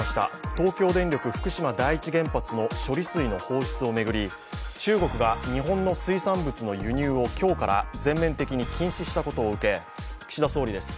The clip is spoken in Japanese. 東京電力福島第一原発の処理水の放出を巡り、中国が日本の水産物の輸入を今日から全面的に禁止したことを受け、岸田総理です。